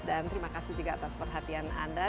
terima kasih juga atas perhatian anda